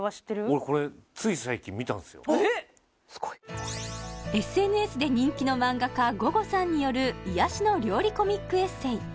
俺これおっすごいＳＮＳで人気の漫画家午後さんによる癒やしの料理コミックエッセイ